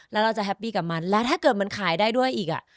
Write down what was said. แล้วเราจะแฮปปี้กับมันแล้วถ้าเกิดมันขายได้ด้วยอีกอ่ะ